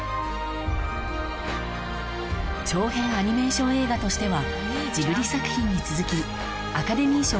長編アニメーション映画としてはジブリ作品に続きアカデミー賞ノミネートの快挙を果たした